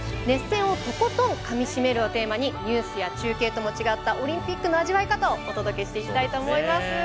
熱戦も、とことんかみしめるをテーマにニュースや中継とも違ったオリンピックの味わい方をお届けしてきたいと思います。